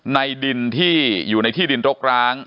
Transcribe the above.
ในดินที่อยู่ในที่ดินรกร้าง